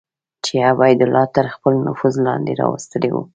چې عبیدالله تر خپل نفوذ لاندې راوستلي وو.